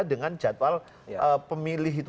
dengan jadwal pemilih itu